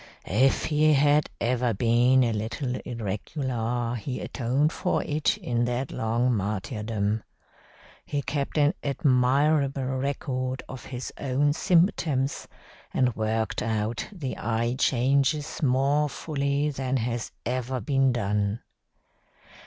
If he had ever been a little irregular he atoned for it in that long martyrdom. He kept an admirable record of his own symptoms, and worked out the eye changes more fully than has ever been done.